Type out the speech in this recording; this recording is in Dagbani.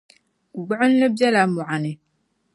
Gbuɣinli bela mɔɣu ni.